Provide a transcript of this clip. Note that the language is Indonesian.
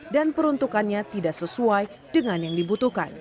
dan peruntukannya tidak sesuai dengan yang dibutuhkan